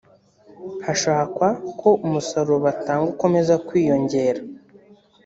hashakwa ko umusaruro batanga ukomeza kwiyongera